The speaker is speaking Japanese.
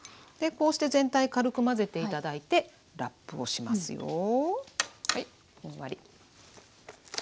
でこうして全体軽く混ぜて頂いてラップをしますよ。